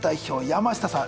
山下さん